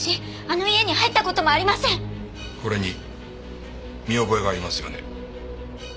これに見覚えがありますよね？